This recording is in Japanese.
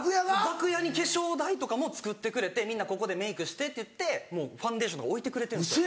楽屋に化粧台とかもつくってくれてみんなここでメイクしてってもうファンデーションとか置いてくれてるんですよ。